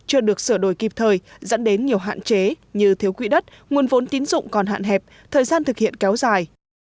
chưa được sửa đổi kịp thời dẫn đến nhiều hạn chế như thiếu quỹ đất nguồn vốn tín dụng còn hạn hẹp thời gian thực hiện kéo dài